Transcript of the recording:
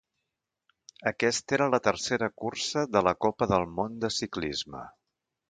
Aquesta era la tercera cursa de la Copa del Món de ciclisme.